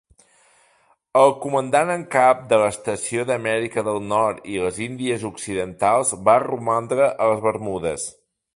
El comandant en cap de l'estació d'Amèrica del Nord i les Índies Occidentals va romandre a les Bermudes.